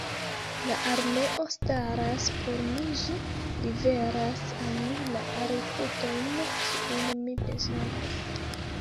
La armeo staras por mi: ĝi liveras al mi la rekrutojn, kiujn mi bezonas.